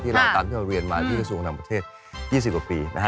เราตามที่เราเรียนมาที่กระทรวงต่างประเทศ๒๐กว่าปีนะฮะ